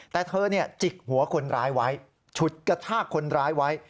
แต่เธอจิกหัวคนร้ายไว้ฉุดกระชากคนร้ายไว้